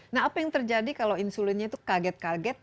nah apa yang terjadi kalau insulinnya itu kaget kaget